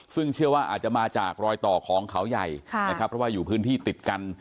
ซึ่งเชื่อว่าอาจจะมาจากรอยต่อของเขาใหญ่นะครับเพราะว่าอยู่พื้นที่ติดกัน